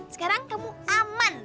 sekarang kamu aman